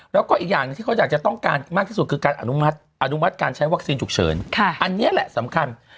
แล้วก็อีกอย่างหนึ่งที่เขาอยากจะต้องการมากที่สุดคือการอนุมัติการใช้วัคซีนฉุกเฉินอันนี้แหละสำคัญ